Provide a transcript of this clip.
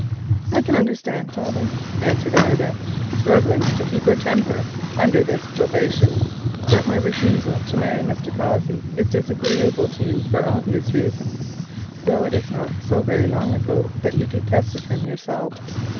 "I can understand, father," answered Ida, struggling to keep her temper under this jobation, "that my refusal to marry Mr. Cossey is disagreeable to you for obvious reasons, though it is not so very long since you detested him yourself.